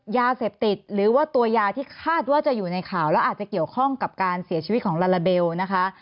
ยาเสพติดหรือว่าตัวยาที่คาดว่าจะอยู่ในข่าวแล้วอาจจะเกี่ยวข้องกับการเสียชีวิตของลาลาเบลนะคะ